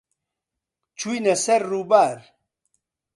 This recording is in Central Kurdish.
چووینە سەر ڕووبار.